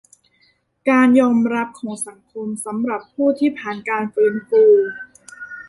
การยอมรับของสังคมสำหรับผู้ที่ผ่านการฟื้นฟู